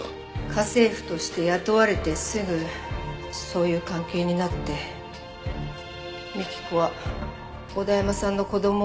家政婦として雇われてすぐそういう関係になって幹子は小田山さんの子供を産んだんです。